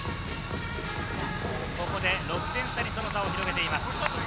ここで６点差に広げています。